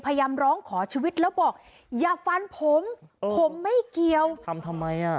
พยายามร้องขอชีวิตแล้วบอกอย่าฟันผมผมไม่เกี่ยวทำทำไมอ่ะ